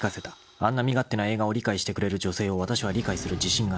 あんな身勝手な映画を理解してくれる女性をわたしは理解する自信がない］